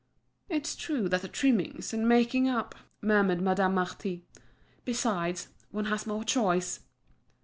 "It's true that the trimmings and making up—" murmured Madame Marty. "Besides, one has more choice."